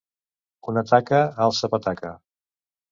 Una taca, alça pataca!